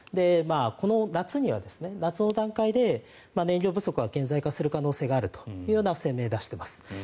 この夏には、夏の段階で燃料不足が顕在化する可能性があるという声明を出しています。